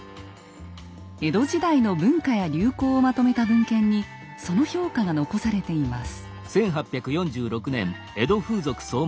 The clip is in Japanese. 江戸時代の文化や流行をまとめた文献にその評価が残されています。